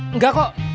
eh nggak kok